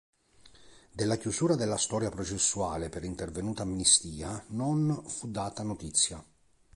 Della chiusura della storia processuale per intervenuta amnistia non fu data notizia.